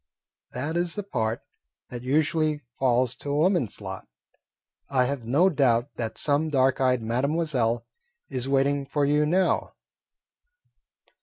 "That is the part that usually falls to a woman's lot. I have no doubt that some dark eyed mademoiselle is waiting for you now."